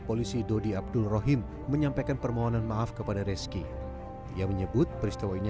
polisi dodi abdul rohim menyampaikan permohonan maaf kepada reski ia menyebut peristiwa ini